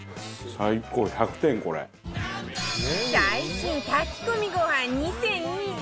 最新炊き込みご飯２０２２